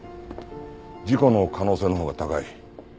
事故の可能性のほうが高い。